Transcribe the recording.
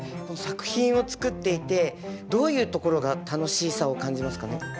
作品を作っていてどういうところが楽しさを感じますかね？